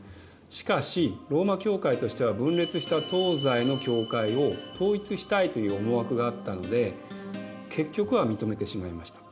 しかしローマ教会としては分裂した東西の教会を統一したいという思惑があったので結局は認めてしまいました。